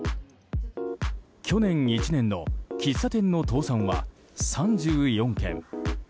去年１年の喫茶店の倒産は３４件。